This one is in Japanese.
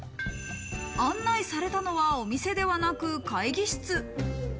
案内されたのは、お店ではなく会議室。